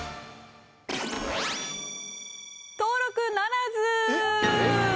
登録ならず。